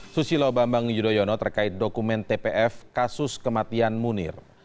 susilo bambang yudhoyono terkait dokumen tpf kasus kematian munir